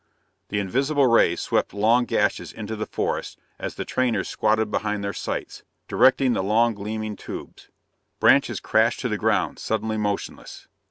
The invisible rays swept long gashes into the forest as the trainers squatted behind their sights, directing the long, gleaming tubes. Branches crashed to the ground, suddenly motionless.